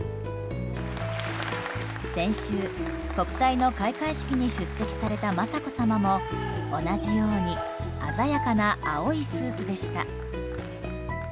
先週、国体の開会式に出席された雅子さまも同じように鮮やかな青いスーツでした。